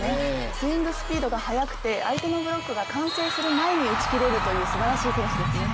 スイングスピードが速くて相手のブロックが完成する前に打ち切れるというすばらしい選手ですね。